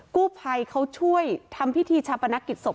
กู้ภัยเขาช่วยทำพิธีชาปนกิจศพ